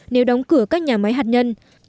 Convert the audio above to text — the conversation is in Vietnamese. nếu đóng cửa các nhà máy hạt nhân